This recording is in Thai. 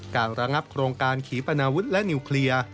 ระงับโครงการขีปนาวุฒิและนิวเคลียร์